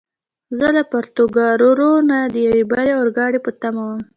زه له پورتوګرارو نه د یوې بلې اورګاډي په تمه ووم.